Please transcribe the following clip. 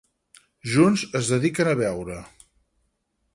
Junts es dediquen a beure.